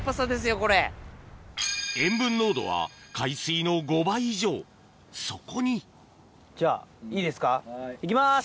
塩分濃度は海水の５倍以上そこにじゃあいいですか行きます！